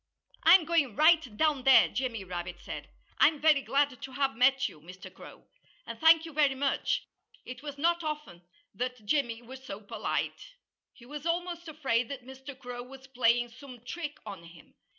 "I'm going right down there," Jimmy Rabbit said. "I'm very glad to have met you, Mr. Crow. And thank you, very much!" It was not often that Jimmy was so polite. He was almost afraid that Mr. Crow was playing some trick on him.